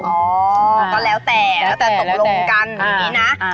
อ๋อก็แล้วแต่แล้วแต่ตกลงกันอย่างนี้นะ